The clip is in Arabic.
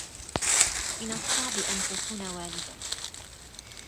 من الصعب أن تكون والداً.